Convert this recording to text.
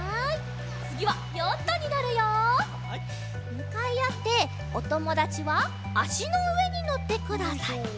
むかいあっておともだちはあしのうえにのってください。